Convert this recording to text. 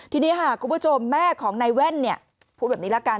ทีนี้ค่ะคุณผู้ชมแม่ของนายแว่นพูดแบบนี้ละกัน